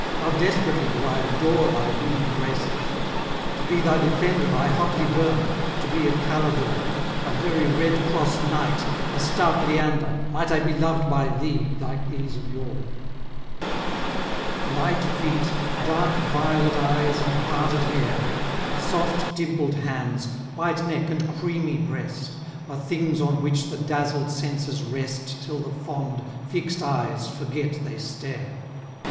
how desperately do I adore Thy winning graces; to be thy defender I hotly burn to be a Calidore A very Red Cross Knight a stout Leander Might I be loved by thee like these of yore. Light feet, dark violet eyes, and parted hair; Soft dimpled hands, white neck, and creamy breast, Are things on which the dazzled senses rest Till the fond, fixed eyes, forget they stare.